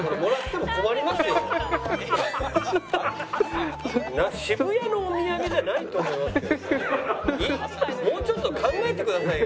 もうちょっと考えてくださいよ。